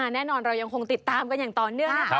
แน่นอนเรายังคงติดตามกันอย่างต่อเนื่อง